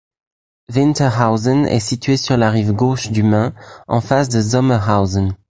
Winterhausen est situé sur la rive gauche du Main en face de Sommerhausen.